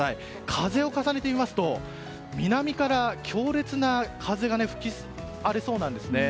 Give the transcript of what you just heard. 風を重ねてみると南から強烈な風が吹き荒れそうなんですね。